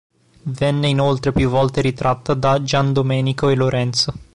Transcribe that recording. Venne inoltre più volte ritratta da Giandomenico e Lorenzo.